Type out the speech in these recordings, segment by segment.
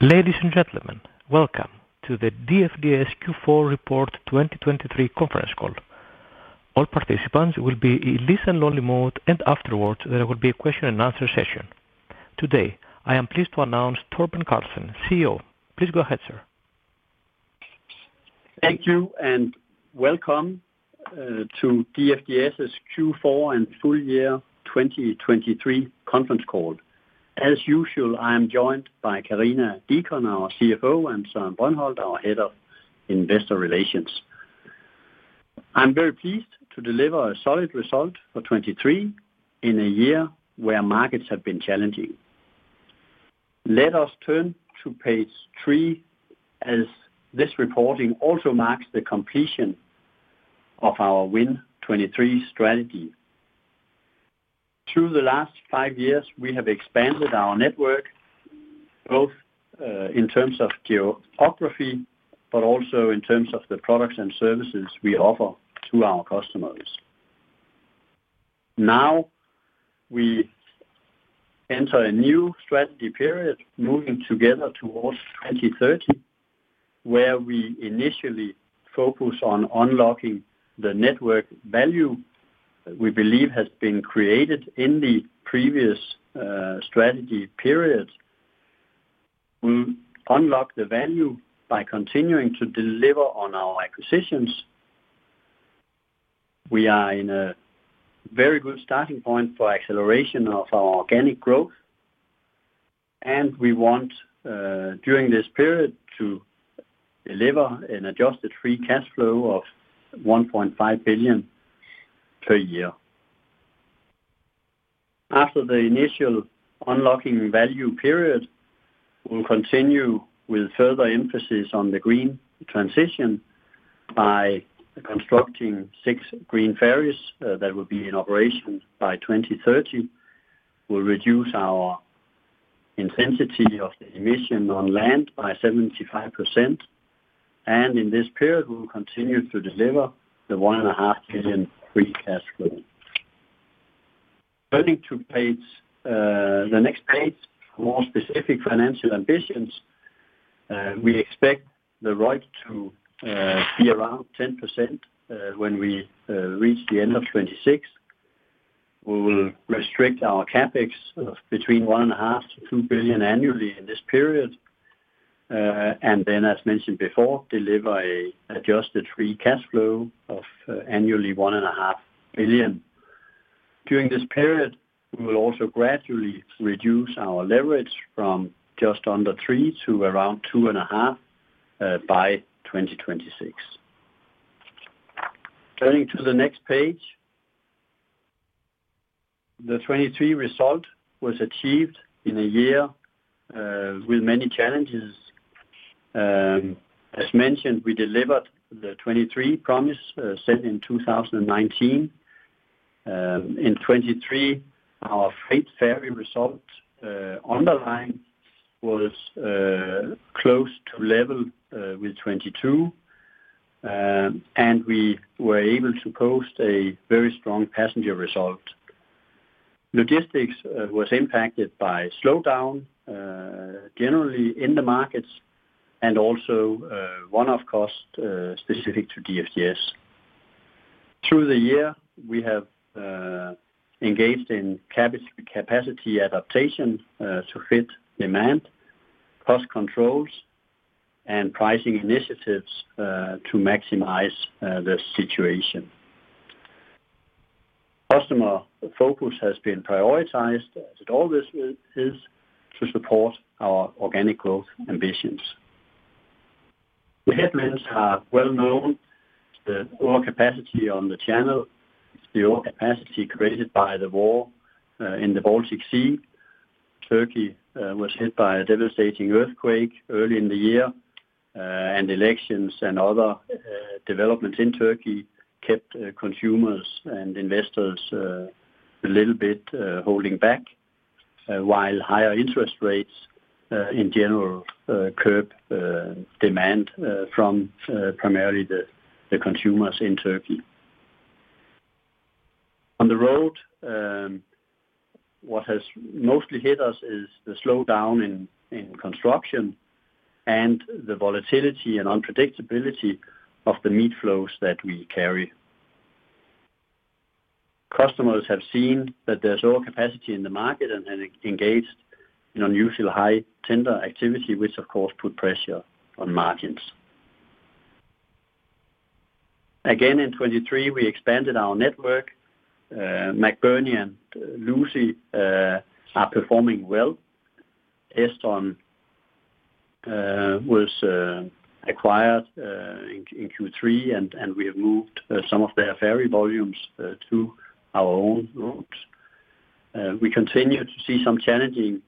Ladies and Gentlemen, Welcome to the DFDS Q4 Report 2023 Conference Call. All participants will be in listen-only mode, and afterwards there will be a question-and-answer session. Today I am pleased to announce Torben Carlsen, CEO. Please go ahead, sir. Thank you, and Welcome to DFDS's Q4 and Full Year 2023 Conference Call. As usual, I am joined by Karina Deacon, our CFO, and Søren Brøndholt, our head of investor relations. I'm very pleased to deliver a solid result for 2023 in a year where markets have been challenging. Let us turn to page three, as this reporting also marks the completion of our Win 2023 strategy. Through the last five years we have expanded our network, both in terms of geography but also in terms of the products and services we offer to our customers. Now we enter a new strategy period, moving together towards 2030, where we initially focus on unlocking the network value we believe has been created in the previous strategy period. We'll unlock the value by continuing to deliver on our acquisitions. We are in a very good starting point for acceleration of our organic growth, and we want, during this period, to deliver an adjusted free cash flow of 1.5 billion per year. After the initial unlocking value period, we'll continue with further emphasis on the green transition by constructing six green ferries that will be in operation by 2030. We'll reduce our intensity of emission on land by 75%, and in this period we'll continue to deliver the 1.5 billion free cash flow. Turning to the next page, more specific financial ambitions, we expect the ROIC to be around 10% when we reach the end of 2026. We will restrict our CAPEX between 1.5 billion-2 billion annually in this period, and then, as mentioned before, deliver an adjusted free cash flow of 1.5 billion annually. During this period we will also gradually reduce our leverage from just under 3 to around 2.5 by 2026. Turning to the next page, the 2023 result was achieved in a year with many challenges. As mentioned, we delivered the 2023 promise set in 2019. In 2023, our freight ferry result underlying was close to level with 2022, and we were able to post a very strong passenger result. Logistics was impacted by slowdown, generally in the markets, and also one-off costs specific to DFDS. Through the year we have engaged in capacity adaptation to fit demand, cost controls, and pricing initiatives to maximize the situation. Customer focus has been prioritized, as it always is, to support our organic growth ambitions. The headwinds are well known. The overcapacity on the Channel, the overcapacity created by the war in the Baltic Sea. Turkey was hit by a devastating earthquake early in the year, and elections and other developments in Turkey kept consumers and investors a little bit holding back, while higher interest rates in general curbed demand from primarily the consumers in Turkey. On the road, what has mostly hit us is the slowdown in construction and the volatility and unpredictability of the meat flows that we carry. Customers have seen that there's overcapacity in the market and have engaged in unusually high tender activity, which of course put pressure on margins. Again, in 2023 we expanded our network. McBurney and Lucey are performing well. Estron was acquired in Q3, and we have moved some of their ferry volumes to our own routes. We continue to see some challenging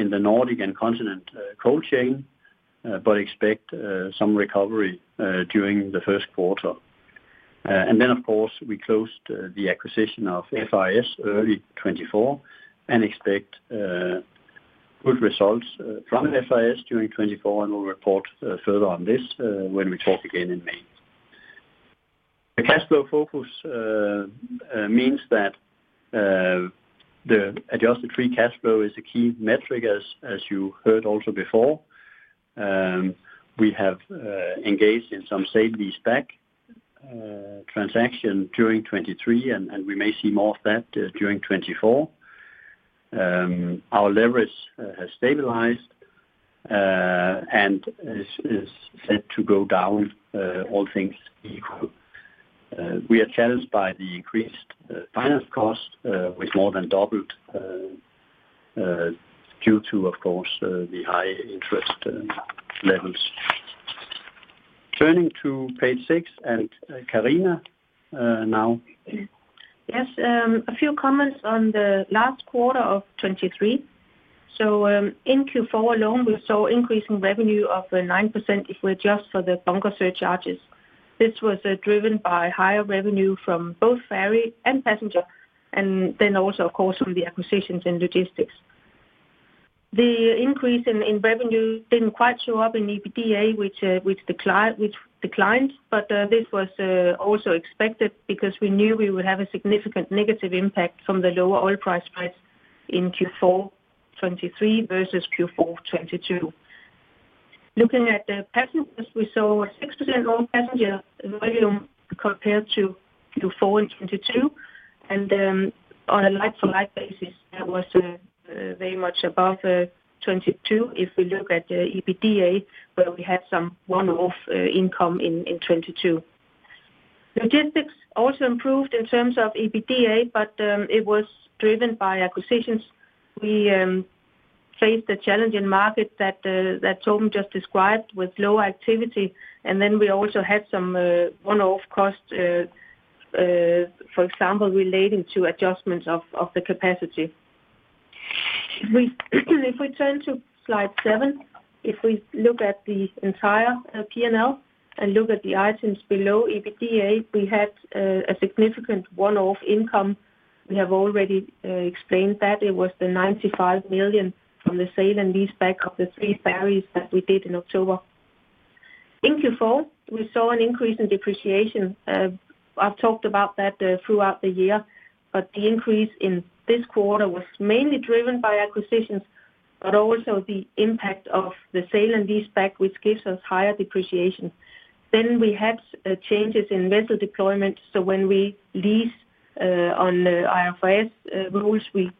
in the Nordic and continental cold chain, but expect some recovery during the first quarter. And then, of course, we closed the acquisition of FRS early 2024 and expect good results from FRS during 2024, and we'll report further on this when we talk again in May. The cash flow focus means that the adjusted free cash flow is a key metric, as you heard also before. We have engaged in some sale and leaseback transaction during 2023, and we may see more of that during 2024. Our leverage has stabilized and is set to go down, all things equal. We are challenged by the increased finance costs, which more than doubled due to, of course, the high interest levels. Turning to page six, and Karina now. Yes. A few comments on the last quarter of 2023. So in Q4 alone we saw increasing revenue of 9% if we adjust for the bunker surcharges. This was driven by higher revenue from both ferry and passenger, and then also, of course, from the acquisitions in logistics. The increase in revenue didn't quite show up in EBITDA, which declined, but this was also expected because we knew we would have a significant negative impact from the lower oil price rates in Q4 2023 versus Q4 2022. Looking at the passengers, we saw 6% more passenger volume compared to Q4 2022, and on a like-for-like basis that was very much above 2022 if we look at the EBITDA, where we had some one-off income in 2022. Logistics also improved in terms of EBITDA, but it was driven by acquisitions. We faced a challenge in market that Torben just described with low activity, and then we also had some one-off costs, for example, relating to adjustments of the capacity. If we turn to slide seven, if we look at the entire P&L and look at the items below EBITDA, we had a significant one-off income. We have already explained that. It was the 95 million from the sale and lease-back of the three ferries that we did in October. In Q4 we saw an increase in depreciation. I've talked about that throughout the year, but the increase in this quarter was mainly driven by acquisitions, but also the impact of the sale and lease-back, which gives us higher depreciation. Then we had changes in vessel deployment, so when we lease on IFRS rules we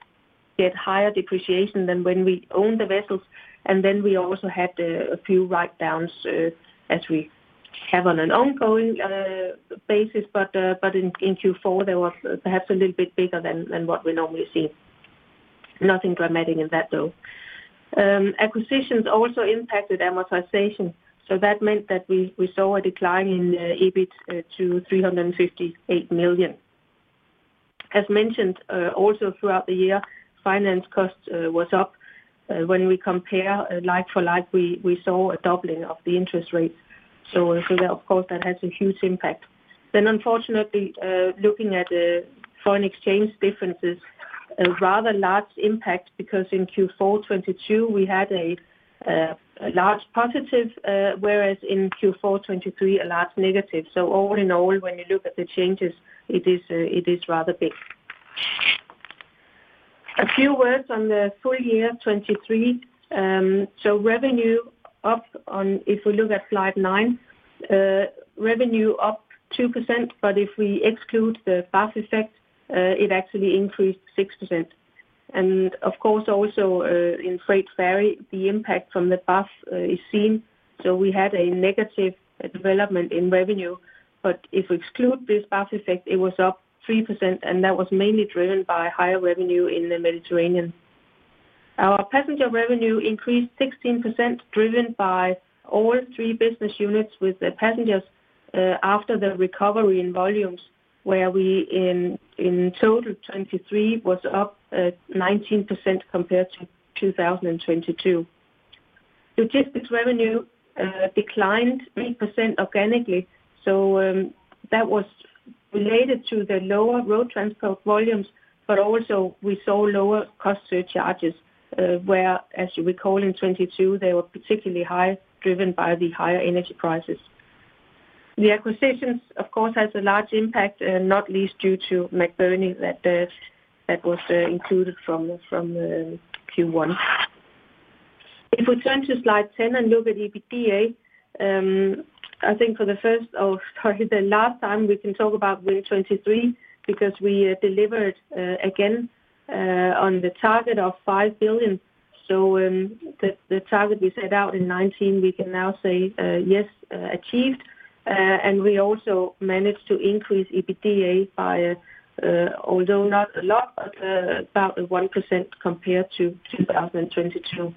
get higher depreciation than when we own the vessels, and then we also had a few write-downs as we have on an ongoing basis, but in Q4 there was perhaps a little bit bigger than what we normally see. Nothing dramatic in that, though. Acquisitions also impacted amortization, so that meant that we saw a decline in EBIT to 358 million. As mentioned, also throughout the year finance costs was up. When we compare like-for-like we saw a doubling of the interest rates, so of course that has a huge impact. Then unfortunately looking at foreign exchange differences, rather large impact because in Q4 2022 we had a large positive, whereas in Q4 2023 a large negative. So all in all when you look at the changes it is rather big. A few words on the full year 2023. So revenue up on if we look at slide nine, revenue up 2%, but if we exclude the BAF effect it actually increased 6%. And of course also in freight ferry the impact from the BAF is seen, so we had a negative development in revenue, but if we exclude this BAF effect it was up 3%, and that was mainly driven by higher revenue in the Mediterranean. Our passenger revenue increased 16% driven by all three business units with the passengers after the recovery in volumes, where we in total 2023 was up 19% compared to 2022. Logistics revenue declined 8% organically, so that was related to the lower road transport volumes, but also we saw lower cost surcharges, whereas you recall in 2022 they were particularly high driven by the higher energy prices. The acquisitions, of course, has a large impact, not least due to McBurney that was included from Q1. If we turn to slide 10 and look at EBITDA, I think for the first oh, sorry, the last time we can talk about Win 2023 because we delivered again on the target of 5 billion, so the target we set out in 2019 we can now say, "Yes, achieved," and we also managed to increase EBITDA by, although not a lot, but about 1% compared to 2022.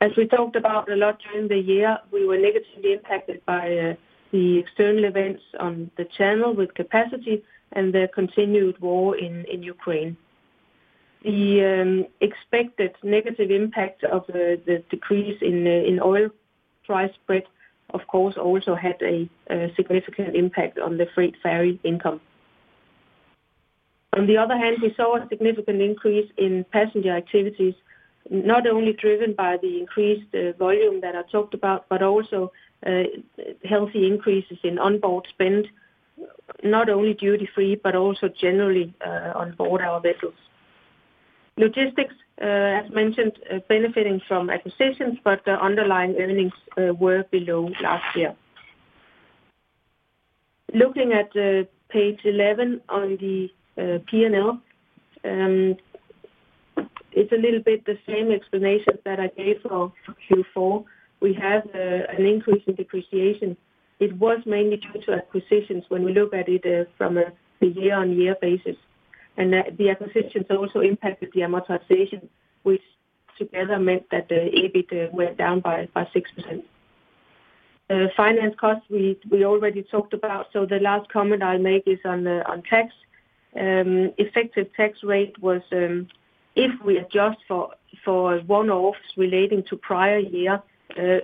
As we talked about a lot during the year, we were negatively impacted by the external events on the channel with capacity and the continued war in Ukraine. The expected negative impact of the decrease in oil price spread, of course, also had a significant impact on the freight ferry income. On the other hand, we saw a significant increase in passenger activities, not only driven by the increased volume that I talked about, but also healthy increases in onboard spend, not only duty-free but also generally onboard our vessels. Logistics, as mentioned, benefiting from acquisitions, but the underlying earnings were below last year. Looking at page 11 on the P&L, it's a little bit the same explanation that I gave for Q4. We have an increase in depreciation. It was mainly due to acquisitions when we look at it from a year-on-year basis, and the acquisitions also impacted the amortization, which together meant that the EBIT went down by 6%. Finance costs we already talked about, so the last comment I'll make is on tax. Effective tax rate was, if we adjust for one-offs relating to prior year,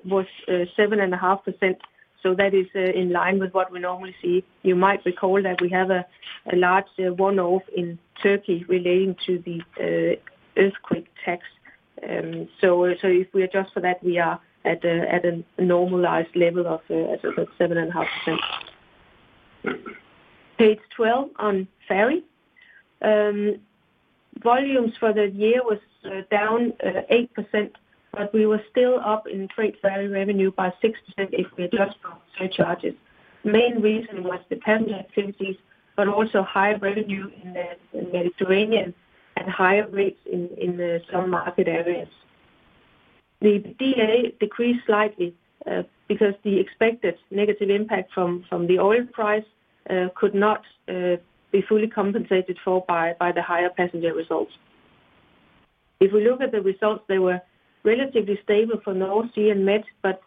was 7.5%, so that is in line with what we normally see. You might recall that we have a large one-off in Turkey relating to the earthquake tax, so if we adjust for that we are at a normalized level of 7.5%. Page 12 on ferry, volumes for that year was down 8%, but we were still up in freight ferry revenue by 6% if we adjust for surcharges. Main reason was the passenger activities, but also higher revenue in the Mediterranean and higher rates in some market areas. The EBITDA decreased slightly because the expected negative impact from the oil price could not be fully compensated for by the higher passenger results. If we look at the results they were relatively stable for North Sea and MED, but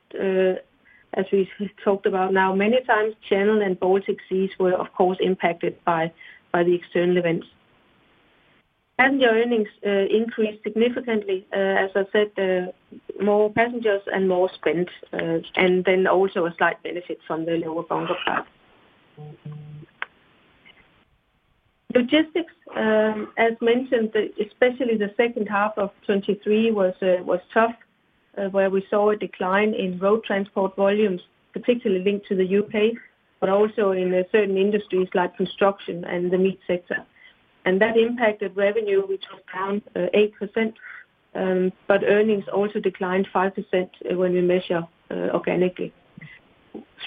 as we talked about now, many times channel and Baltic seas were, of course, impacted by the external events. Passenger earnings increased significantly. As I said, more passengers and more spend, and then also a slight benefit from the lower bunker price. Logistics, as mentioned, especially the second half of 2023 was tough, where we saw a decline in road transport volumes, particularly linked to the UK, but also in certain industries like construction and the meat sector. And that impacted revenue, which was down 8%, but earnings also declined 5% when we measure organically.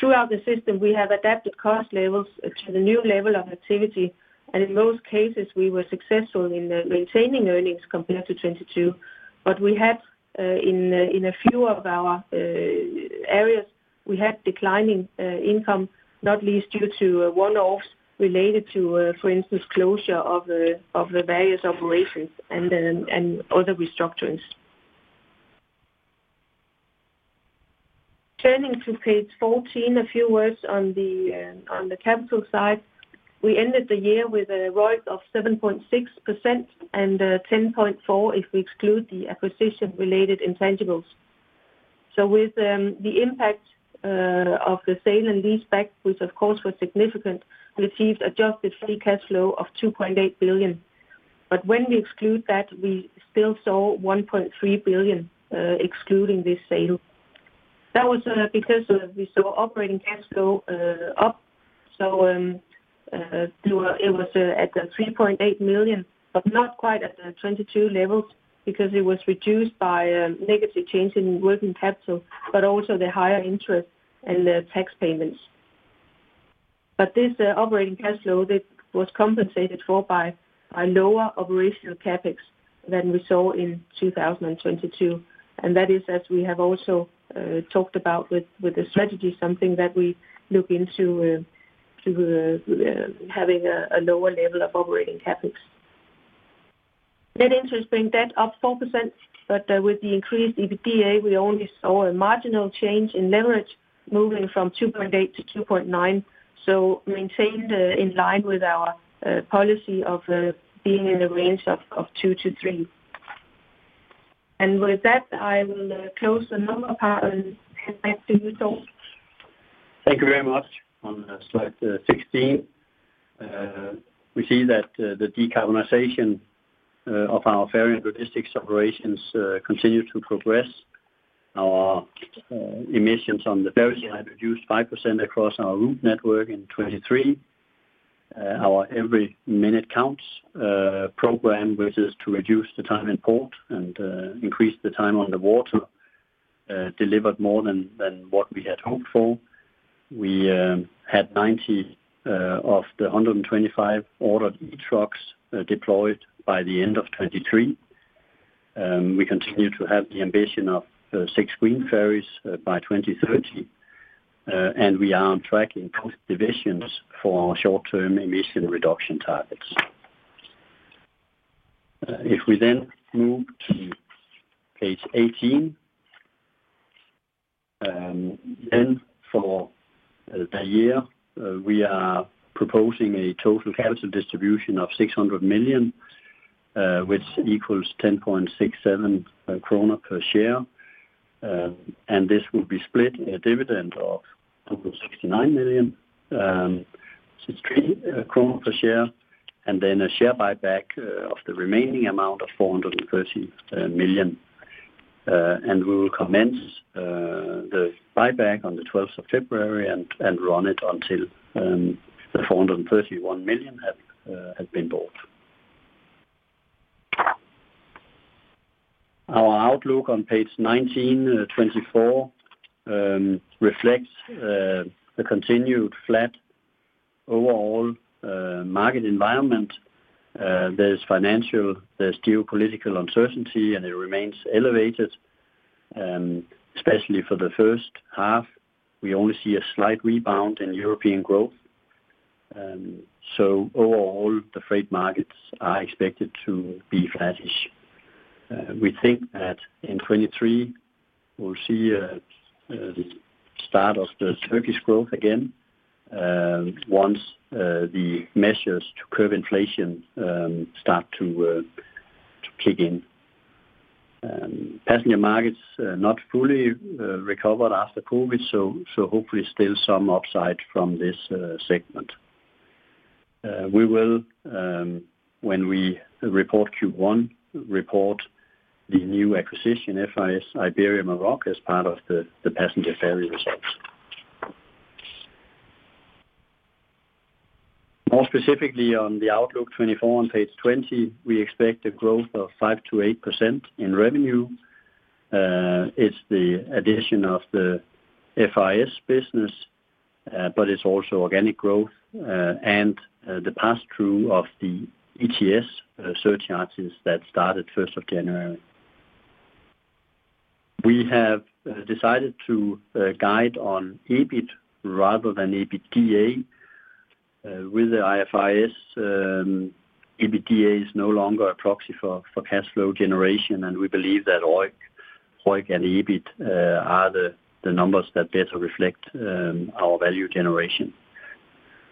Throughout the system we have adapted cost levels to the new level of activity, and in most cases we were successful in maintaining earnings compared to 2022, but we had in a few of our areas we had declining income, not least due to one-offs related to, for instance, closure of various operations and other restructurings. Turning to page 14, a few words on the capital side. We ended the year with a ROIC of 7.6% and 10.4% if we exclude the acquisition-related intangibles. So with the impact of the sale and lease-back, which of course was significant, we achieved adjusted free cash flow of 2.8 billion, but when we exclude that we still saw 1.3 billion excluding this sale. That was because we saw operating cash flow up, so it was at 3.8 million, but not quite at the 2022 levels because it was reduced by negative change in working capital, but also the higher interest and tax payments. But this operating cash flow was compensated for by lower operational CAPEX than we saw in 2022, and that is, as we have also talked about with the strategy, something that we look into to having a lower level of operating CAPEX. Net interest-bearing debt up 4%, but with the increased EBITDA we only saw a marginal change in leverage moving from 2.8x-2.9x, so maintained in line with our policy of being in the range of 2x-3x. And with that I will close the number part and hand back to you, Torben. Thank you very much. On slide 16 we see that the decarbonization of our ferry and logistics operations continues to progress. Our emissions on the ferries are reduced 5% across our route network in 2023. Our Every Minute Counts program, which is to reduce the time in port and increase the time on the water, delivered more than what we had hoped for. We had 90 of the 125 ordered e-trucks deployed by the end of 2023. We continue to have the ambition of six green ferries by 2030, and we are on track in both divisions for our short-term emission reduction targets. If we then move to page 18, then for the year we are proposing a total capital distribution of 600 million, which equals 10.67 kroner per share, and this will be split a dividend of 269 million, 63 kroner per share, and then a share buyback of the remaining amount of 430 million. We will commence the buyback on the 12th of February and run it until the 431 million had been bought. Our outlook on page 19, 2024, reflects a continued flat overall market environment. There's financial, there's geopolitical uncertainty, and it remains elevated, especially for the first half. We only see a slight rebound in European growth, so overall the freight markets are expected to be flat-ish. We think that in 2023 we'll see a start of the Turkish growth again once the measures to curb inflation start to kick in. Passenger markets not fully recovered after COVID, so hopefully still some upside from this segment. We will, when we report Q1, report the new acquisition, FRS Iberia/Maroc, as part of the passenger ferry results. More specifically on the outlook 2024 on page 20 we expect a growth of 5%-8% in revenue. It's the addition of the FRS business, but it's also organic growth and the pass-through of the ETS surcharges that started 1st of January. We have decided to guide on EBIT rather than EBITDA. With the IFRS, EBITDA is no longer a proxy for cash flow generation, and we believe that ROIC and EBIT are the numbers that better reflect our value generation.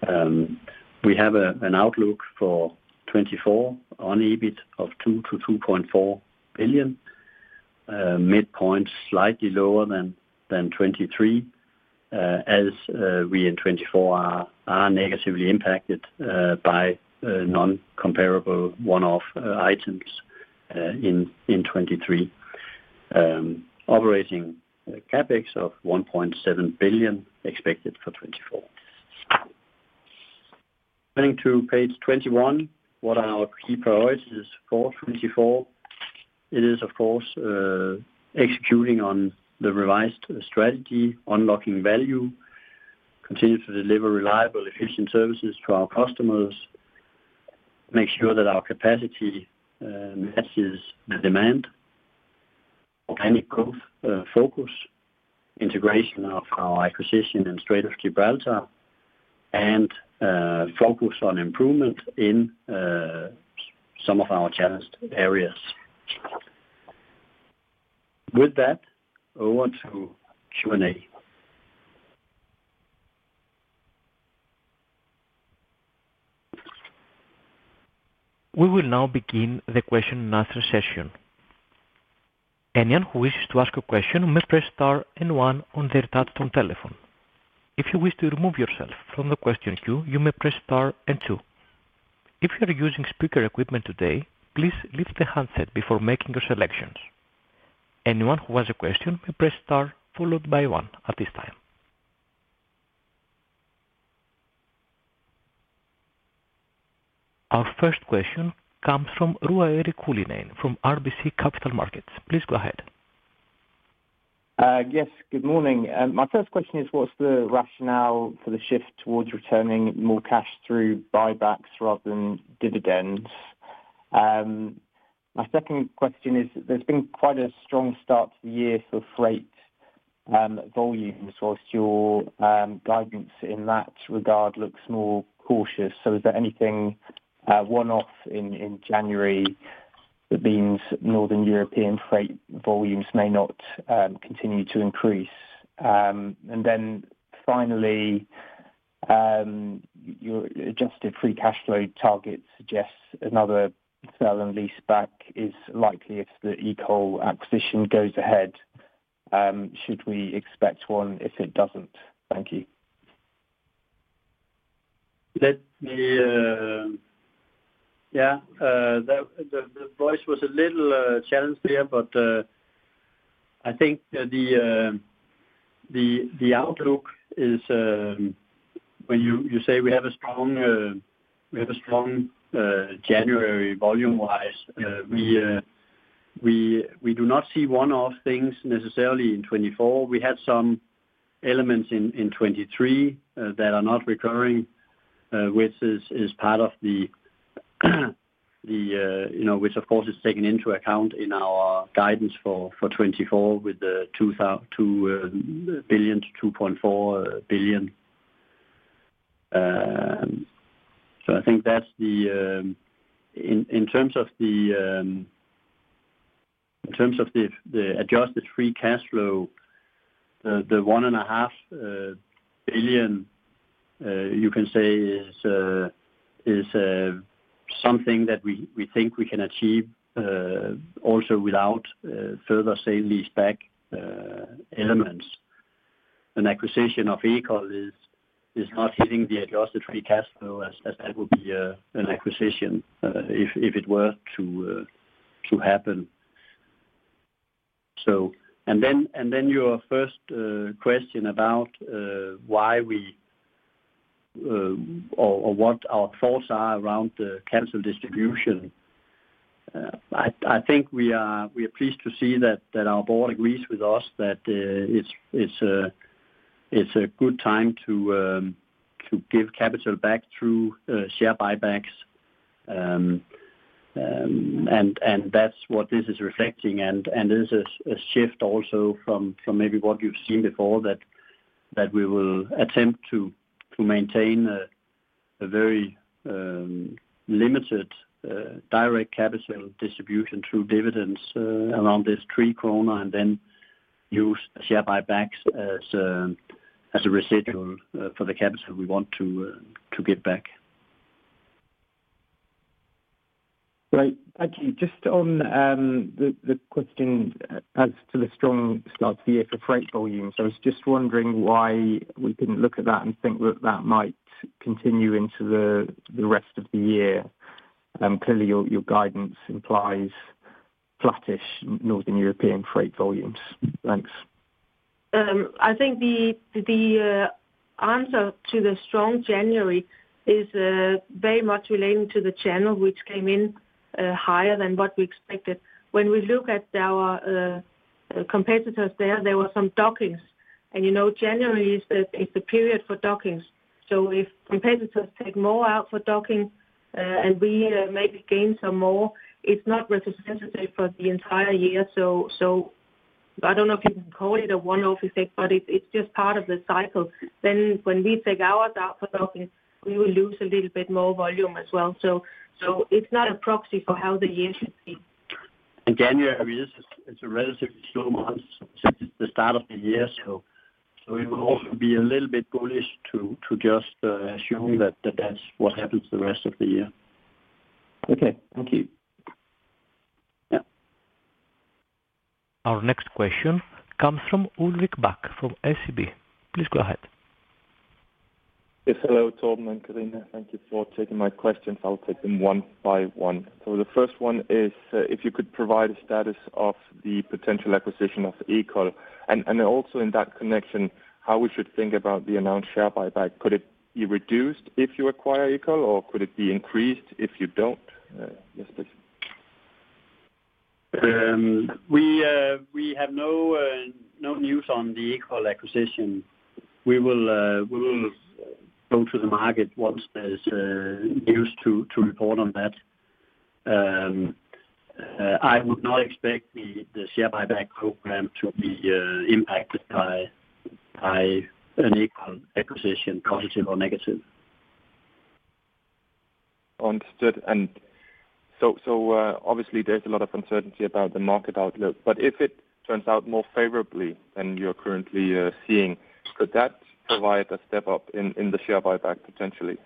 We have an outlook for 2024 on EBIT of 2 billion-2.4 billion, midpoint slightly lower than 2023, as we in 2024 are negatively impacted by non-comparable one-off items in 2023. Operating CAPEX of 1.7 billion expected for 2024. Turning to page 21, what are our key priorities for 2024? It is, of course, executing on the revised strategy, unlocking value, continue to deliver reliable, efficient services to our customers, make sure that our capacity matches the demand, organic growth focus, integration of our acquisition and Strait of Gibraltar, and focus on improvement in some of our challenged areas. With that, over to Q&A. We will now begin the question-and-answer session. Anyone who wishes to ask a question may press star and one on their touchscreen telephone. If you wish to remove yourself from the question queue, you may press star and two. If you are using speaker equipment today, please lift the handset before making your selections. Anyone who has a question may press star followed by one at this time. Our first question comes from Ruairi Cullinane from RBC Capital Markets. Please go ahead. Yes, good morning. My first question is, what's the rationale for the shift towards returning more cash through buybacks rather than dividends? My second question is, there's been quite a strong start to the year for freight volumes. Whilst your guidance in that regard looks more cautious, so is there anything one-off in January that means Northern European freight volumes may not continue to increase? And then finally, your adjusted free cash flow target suggests another sale and leaseback is likely if the Ekol acquisition goes ahead. Should we expect one if it doesn't? Thank you. Let me yeah, the voice was a little challenged here, but I think the outlook is when you say we have a strong January volume-wise, we do not see one-off things necessarily in 2024. We had some elements in 2023 that are not recurring, which is part of the, of course, which is taken into account in our guidance for 2024 with the 2 billion-2.4 billion. So I think that's the in terms of the adjusted free cash flow, the 1.5 billion, you can say, is something that we think we can achieve also without further sale lease-back elements. An acquisition of Ekol is not hitting the adjusted free cash flow as that would be an acquisition if it were to happen. And then your first question about why we or what our thoughts are around the capital distribution. I think we are pleased to see that our board agrees with us that it's a good time to give capital back through share buybacks, and that's what this is reflecting. This is a shift also from maybe what you've seen before that we will attempt to maintain a very limited direct capital distribution through dividends around 3 kroner and then use share buybacks as a residual for the capital we want to give back. Great. Thank you. Just on the question as to the strong start to the year for freight volumes, I was just wondering why we couldn't look at that and think that that might continue into the rest of the year? Clearly, your guidance implies flat-ish Northern European freight volumes. Thanks. I think the answer to the strong January is very much relating to the channel, which came in higher than what we expected. When we look at our competitors there, there were some dockings, and January is the period for dockings. So if competitors take more out for docking and we maybe gain some more, it's not representative for the entire year. So I don't know if you can call it a one-off effect, but it's just part of the cycle. Then when we take ours out for docking, we will lose a little bit more volume as well. So it's not a proxy for how the year should be. January, this is a relatively slow month since it's the start of the year. It will also be a little bit bullish to just assume that that's what happens the rest of the year. Okay. Thank you. Our next question comes from Ulrik Bak from SEB. Please go ahead. Yes. Hello, Torben and Karina. Thank you for taking my questions. I'll take them one by one. The first one is, if you could provide a status of the potential acquisition of Ekol. And also in that connection, how we should think about the announced share buyback. Could it be reduced if you acquire Ekol, or could it be increased if you don't? Yes, please. We have no news on the Ekol acquisition. We will go to the market once there's news to report on that. I would not expect the share buyback program to be impacted by an Ekol acquisition, positive or negative. Understood. And so obviously, there's a lot of uncertainty about the market outlook, but if it turns out more favorably than you're currently seeing, could that provide a step up in the share buyback potentially?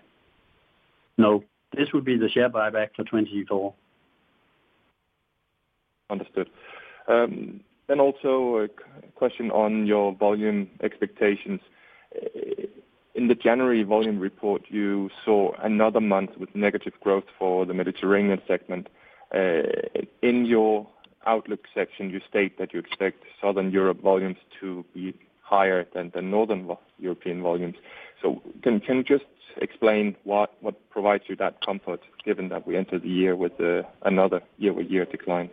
No. This would be the share buyback for 2024. Understood. Then also a question on your volume expectations. In the January volume report, you saw another month with negative growth for the Mediterranean segment. In your outlook section, you state that you expect Southern Europe volumes to be higher than Northern European volumes. So can you just explain what provides you that comfort given that we entered the year with another year-over-year decline?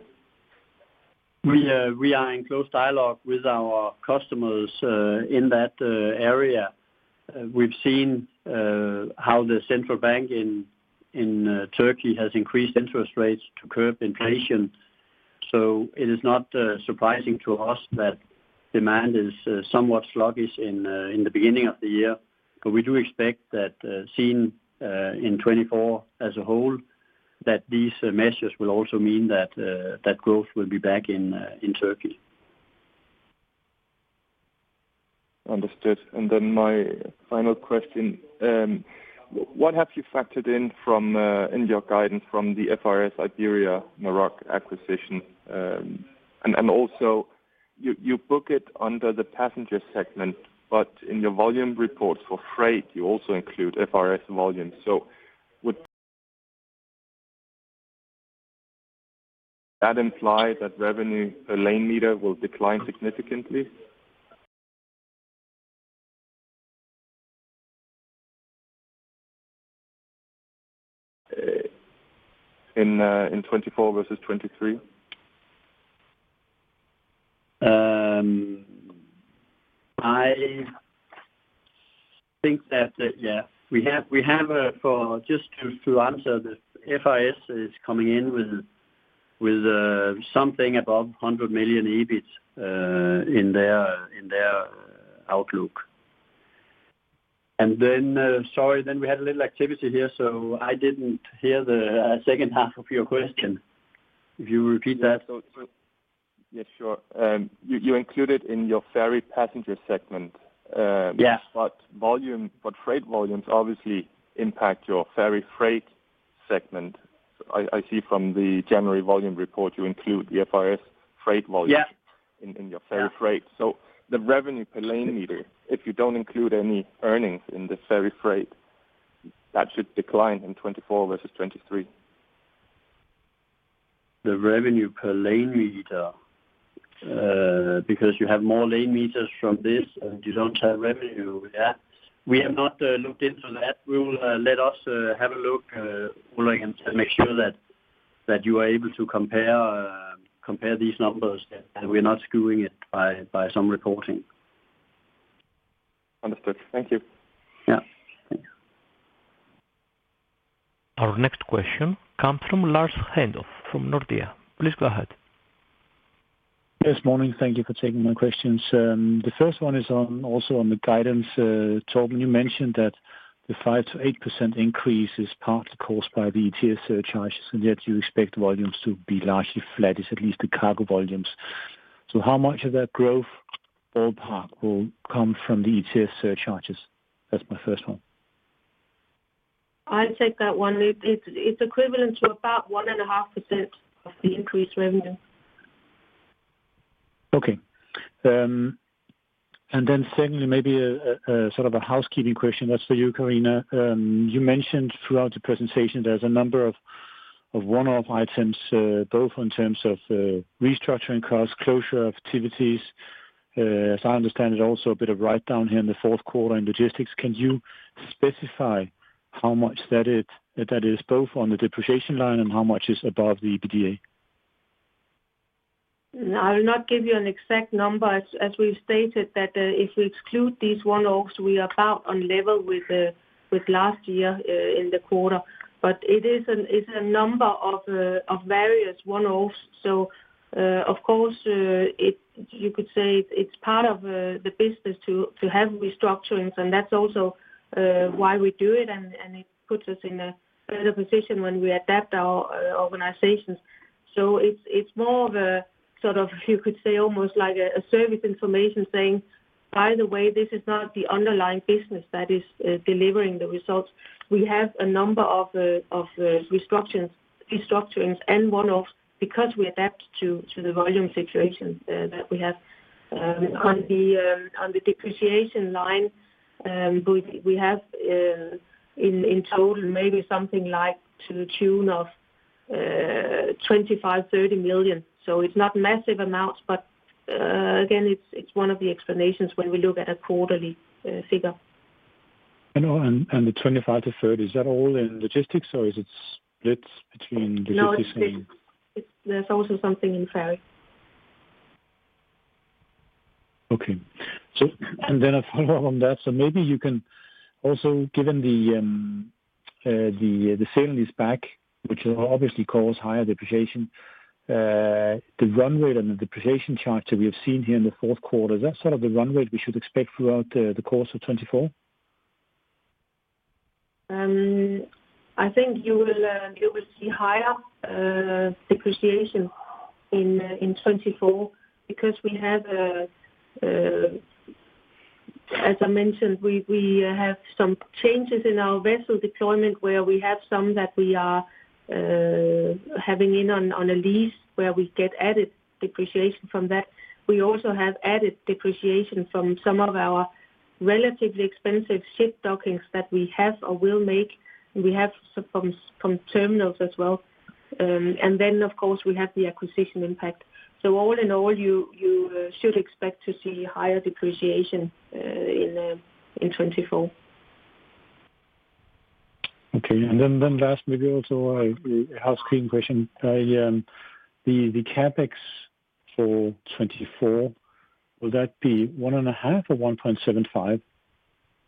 We are in close dialogue with our customers in that area. We've seen how the central bank in Turkey has increased interest rates to curb inflation. So it is not surprising to us that demand is somewhat sluggish in the beginning of the year. But we do expect that seen in 2024 as a whole, that these measures will also mean that growth will be back in Turkey. Understood. Then my final question. What have you factored in in your guidance from the FRS Iberia Maroc acquisition? And also, you book it under the passenger segment, but in your volume reports for freight, you also include FRS volumes. So would that imply that revenue per lane meter will decline significantly in 2024 versus 2023? I think that, yeah. Just to answer this, FRS is coming in with something above 100 million EBIT in their outlook. And then sorry, then we had a little activity here, so I didn't hear the second half of your question. If you repeat that. Yes, sure. You included in your ferry passenger segment, but freight volumes obviously impact your ferry freight segment. I see from the January volume report, you include the FRS freight volume in your ferry freight. So the revenue per lane meter, if you don't include any earnings in the ferry freight, that should decline in 2024 versus 2023. The revenue per lane meter because you have more lane meters from this and you don't have revenue. Yeah. We have not looked into that. We will let us have a look, Ulrik, and make sure that you are able to compare these numbers and we are not skewing it by some reporting. Understood. Thank you. Yeah. Thanks. Our next question comes from Lars Heindorff from Nordea. Please go ahead. Yes, morning. Thank you for taking my questions. The first one is also on the guidance. Torben, you mentioned that the 5%-8% increase is partly caused by the ETS surcharges, and yet you expect volumes to be largely flat, at least the cargo volumes. So how much of that growth ballpark will come from the ETS surcharges? That's my first one. I'd take that one. It's equivalent to about 1.5% of the increased revenue. Okay. And then secondly, maybe sort of a housekeeping question. That's for you, Karina. You mentioned throughout the presentation there's a number of one-off items, both in terms of restructuring costs, closure of activities. As I understand it, also a bit of write-down here in the fourth quarter in logistics. Can you specify how much that is, both on the depreciation line and how much is above the EBITDA? I will not give you an exact number. As we've stated, that if we exclude these one-offs, we are about on level with last year in the quarter. But it is a number of various one-offs. So of course, you could say it's part of the business to have restructurings, and that's also why we do it, and it puts us in a better position when we adapt our organizations. So it's more of a sort of, you could say, almost like a service information saying, "By the way, this is not the underlying business that is delivering the results. We have a number of restructurings and one-offs because we adapt to the volume situation that we have." On the depreciation line, we have in total maybe something like to the tune of 25 million-30 million. It's not massive amounts, but again, it's one of the explanations when we look at a quarterly figure. The 25-30, is that all in logistics, or is it split between logistics and? No, it's split. There's also something in ferry. Okay. And then a follow-up on that. So maybe you can also, given the sale and leaseback, which obviously cause higher depreciation, the run rate and the depreciation charge that we have seen here in the fourth quarter, is that sort of the run rate we should expect throughout the course of 2024? I think you will see higher depreciation in 2024 because, as I mentioned, we have some changes in our vessel deployment where we have some that we are having on a lease where we get added depreciation from that. We also have added depreciation from some of our relatively expensive ship dockings that we have or will make. We have from terminals as well. And then, of course, we have the acquisition impact. So all in all, you should expect to see higher depreciation in 2024. Okay. And then last, maybe also a housekeeping question. The CAPEX for 2024, will that be 1.5 or 1.75?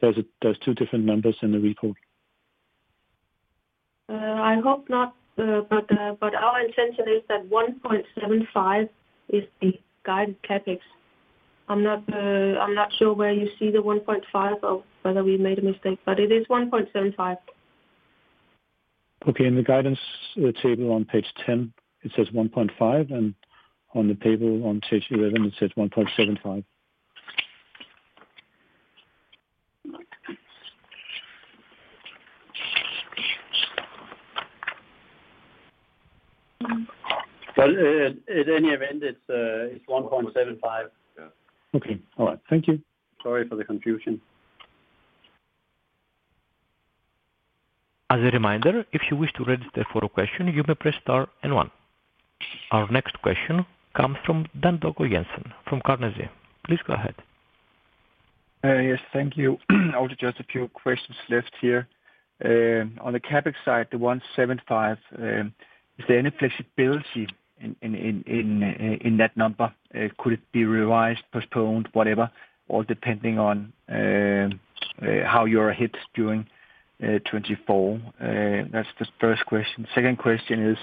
There's two different numbers in the report. I hope not, but our intention is that 1.75 is the guided CAPEX. I'm not sure where you see the 1.5 or whether we made a mistake, but it is 1.75. Okay. In the guidance table on page 10, it says 1.5, and on the table on page 11, it says 1.75. In any event, it's 1.75. Okay. All right. Thank you. Sorry for the confusion. As a reminder, if you wish to register for a question, you may press star and one. Our next question comes from Dan Togo Jensen from Carnegie. Please go ahead. Yes. Thank you. I'll do just a few questions left here. On the CAPEX side, the 1.75, is there any flexibility in that number? Could it be revised, postponed, whatever, all depending on how you are hit during 2024? That's the first question. Second question is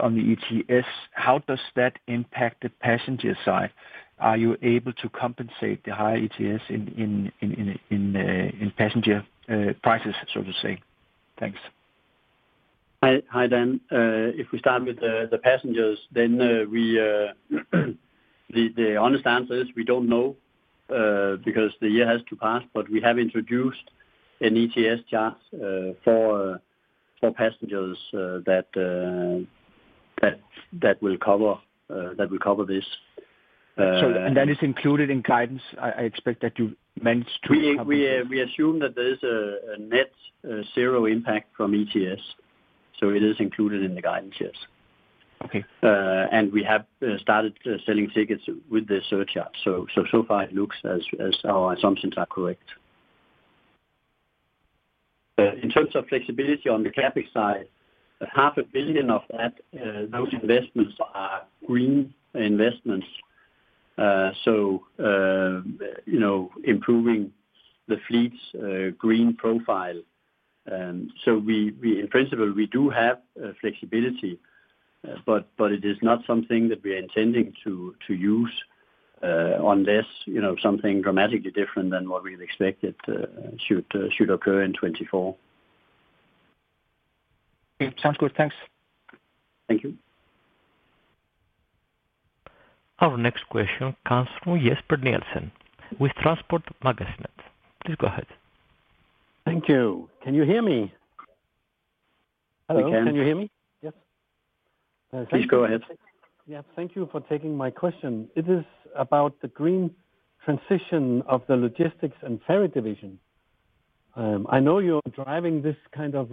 on the ETS. How does that impact the passenger side? Are you able to compensate the higher ETS in passenger prices, so to say? Thanks. Hi, then. If we start with the passengers, then the honest answer is we don't know because the year has to pass, but we have introduced an ETS charge for passengers that will cover this. That is included in guidance? I expect that you managed to. We assume that there is a net zero impact from ETS. So it is included in the guidance, yes. And we have started selling tickets with the surcharge. So far, it looks as our assumptions are correct. In terms of flexibility on the CAPEX side, 500 million of those investments are green investments, so improving the fleet's green profile. So in principle, we do have flexibility, but it is not something that we are intending to use unless something dramatically different than what we had expected should occur in 2024. Okay. Sounds good. Thanks. Thank you. Our next question comes from Jesper Nielsen with Transportmagasinet. Please go ahead. Thank you. Can you hear me? I can. Hello. Can you hear me? Yes? Please go ahead. Yeah. Thank you for taking my question. It is about the green transition of the logistics and ferry division. I know you're driving this kind of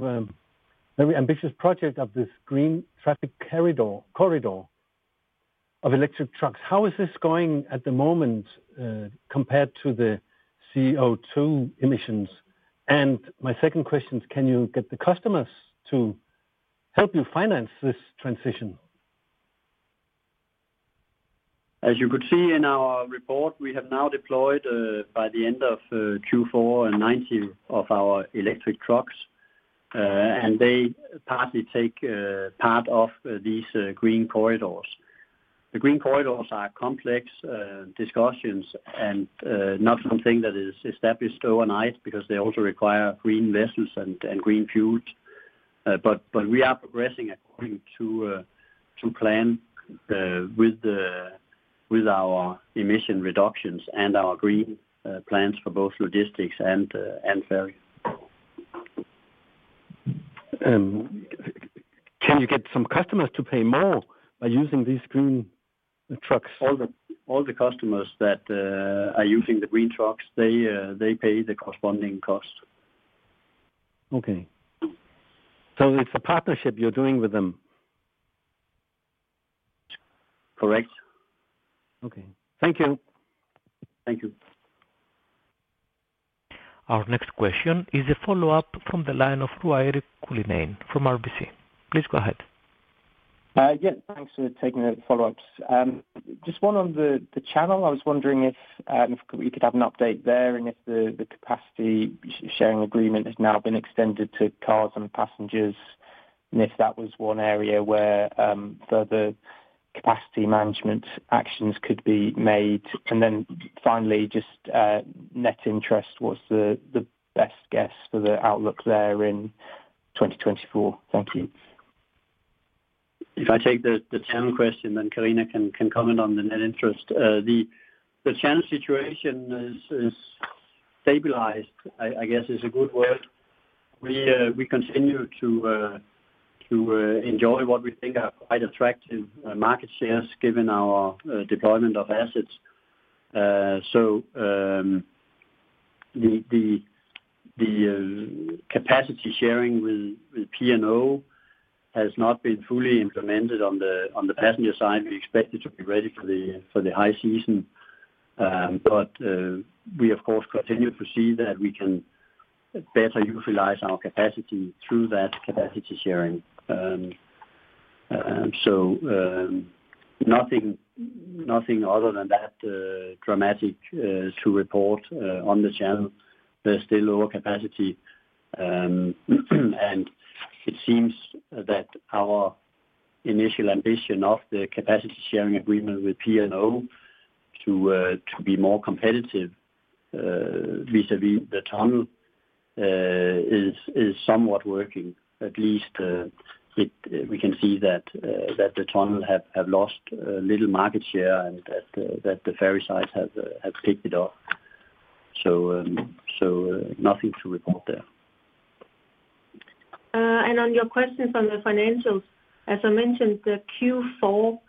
very ambitious project of this green traffic corridor of electric trucks. How is this going at the moment compared to the CO2 emissions? And my second question is, can you get the customers to help you finance this transition? As you could see in our report, we have now deployed by the end of Q4 90 of our electric trucks, and they partly take part of these green corridors. The green corridors are complex discussions and not something that is established overnight because they also require green vessels and green fuels. But we are progressing according to plan with our emission reductions and our green plans for both logistics and ferry. Can you get some customers to pay more by using these green trucks? All the customers that are using the green trucks, they pay the corresponding cost. Okay. It's a partnership you're doing with them. Correct. Okay. Thank you. Thank you. Our next question is a follow-up from the line of Ruairi Cullinane from RBC. Please go ahead. Yes. Thanks for taking the follow-ups. Just one on the channel. I was wondering if you could have an update there and if the capacity sharing agreement has now been extended to cars and passengers and if that was one area where further capacity management actions could be made. And then finally, just net interest. What's the best guess for the outlook there in 2024? Thank you. If I take the channel question, then Karina can comment on the net interest. The channel situation is stabilized, I guess is a good word. We continue to enjoy what we think are quite attractive market shares given our deployment of assets. So the capacity sharing with P&O has not been fully implemented on the passenger side. We expect it to be ready for the high season. But we, of course, continue to see that we can better utilize our capacity through that capacity sharing. So nothing other than that dramatic to report on the channel. There's still lower capacity. And it seems that our initial ambition of the capacity sharing agreement with P&O to be more competitive vis-à-vis the tunnel is somewhat working. At least we can see that the tunnel have lost little market share and that the ferry sides have picked it up. Nothing to report there. On your question from the financials, as I mentioned, Q4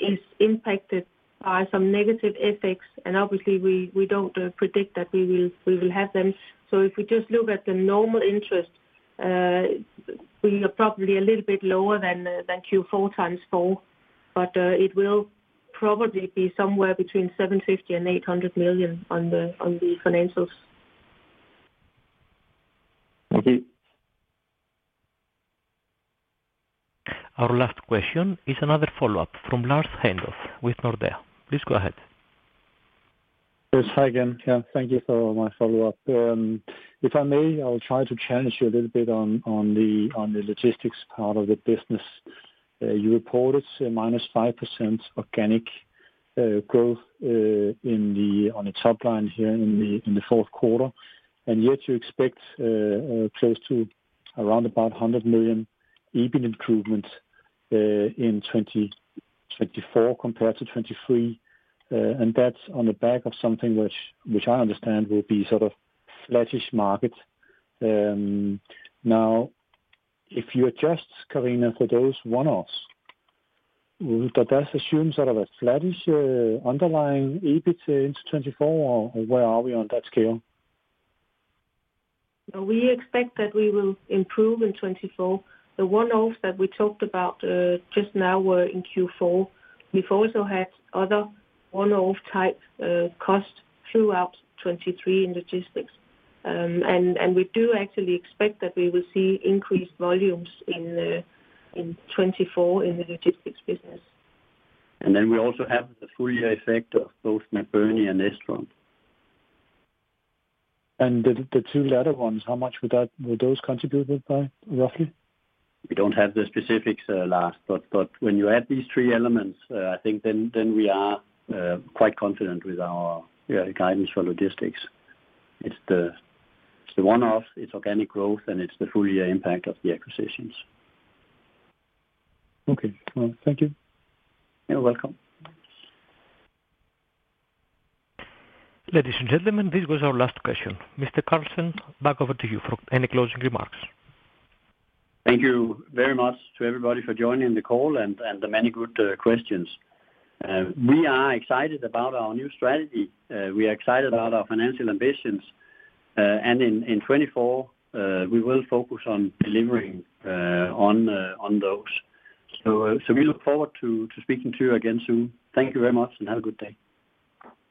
is impacted by some negative effects. Obviously, we don't predict that we will have them. If we just look at the normal interest, we are probably a little bit lower than Q4 4x, but it will probably be somewhere between 750 million and 800 million on the financials. Thank you. Our last question is another follow-up from Lars Heindorff with Nordea. Please go ahead. Yes. Hi again. Yeah. Thank you for my follow-up. If I may, I'll try to challenge you a little bit on the logistics part of the business. You reported -5% organic growth on the top line here in the fourth quarter, and yet you expect close to around about 100 million EBIT improvement in 2024 compared to 2023. And that's on the back of something which I understand will be sort of flat-ish market. Now, if you adjust, Karina, for those one-offs, does that assume sort of a flat-ish underlying EBIT into 2024, or where are we on that scale? We expect that we will improve in 2024. The one-offs that we talked about just now were in Q4. We've also had other one-off-type costs throughout 2023 in logistics. We do actually expect that we will see increased volumes in 2024 in the logistics business. And then we also have the full-year effect of both McBurney and Estron. The two latter ones, how much will those contribute with that, roughly? We don't have the specifics, Lars, but when you add these three elements, I think then we are quite confident with our guidance for logistics. It's the one-offs, it's organic growth, and it's the full-year impact of the acquisitions. Okay. Well, thank you. You're welcome. Ladies and gentlemen, this was our last question. Mr. Carlsen, back over to you for any closing remarks. Thank you very much to everybody for joining the call and the many good questions. We are excited about our new strategy. We are excited about our financial ambitions. In 2024, we will focus on delivering on those. We look forward to speaking to you again soon. Thank you very much, and have a good day.